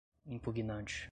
impugnante